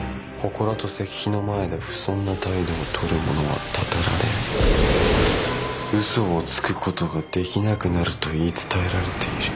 「祠と石碑の前で不遜な態度をとる者は祟られ嘘をつく事ができなくなると言い伝えられている」。